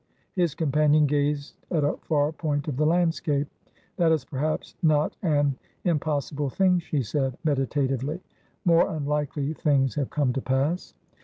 His companion gazed at a far point of the landscape. "That is perhaps not an impossible thing," she said, meditatively. "More unlikely things have come to pass."